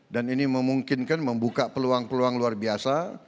ini memungkinkan membuka peluang peluang luar biasa